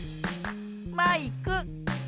マイク。